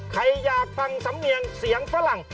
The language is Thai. ใครอยากฟังสำเนียงเสียงฝรั่ง